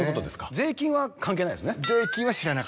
税金は関係ないですね？